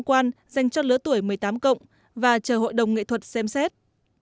quan dành cho lứa tuổi một mươi tám cộng và chờ hội đồng nghệ thuật xem xét